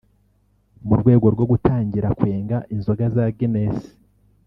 mu rwego rwo gutangira kwenga inzoga ya Guinness